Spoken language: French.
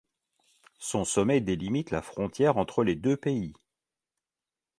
Son sommet délimite la frontière entre les deux pays.